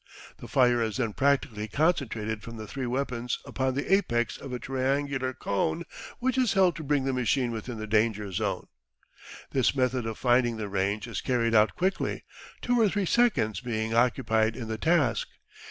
The fire is then practically concentrated from the three weapons upon the apex of a triangular cone which is held to bring the machine within the danger zone. This method of finding the range is carried out quickly two or three seconds being occupied in the task.